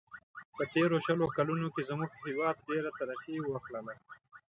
په تېرو شلو کلونو کې زموږ هیواد ډېره ترقي و کړله.